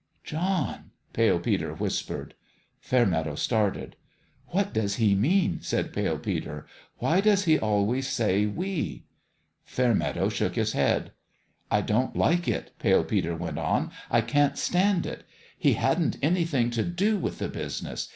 " John !" Pale Peter whispered. Fairmeadow started. "What does he mean?" said Pale Peter. " Why does he always say ' We '?" Fairmeadow shook his head. " I don't like it," Pale Peter went on. " I can't stand it. He hadn't anything to do with the business.